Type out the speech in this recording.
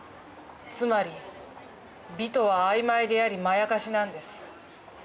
つまり美とはあいまいでありまやかしなんです。